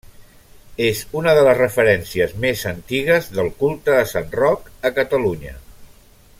És una de les referències més antigues del culte a Sant Roc a Catalunya.